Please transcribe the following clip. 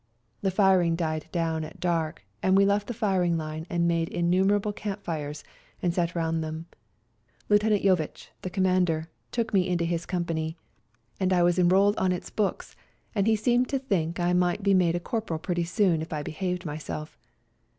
The firing died down at dark, and we left the firing line and made innumer able camp fires and sat round them. Lieut. Jovitch, the Commander, took me into his company, and I was enrolled on FIGHTING ON MOUNT CHUKUS 141 its books, and he seemed to think I might be made a corporal pretty soon if I behaved myself.